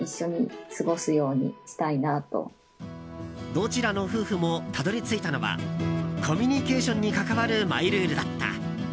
どちらの夫婦もたどり着いたのはコミュニケーションに関わるマイルールだった。